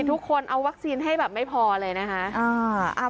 ทุกคนเอาวัคซีนให้แบบไม่พอเลยนะคะ